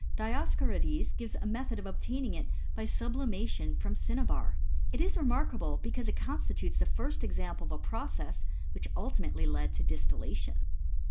Dioscorides gives a method of obtaining it by sublimation from cinnabar, It is remarkable, because I it constitutes the first example of a process which ulti I mately led to distillation."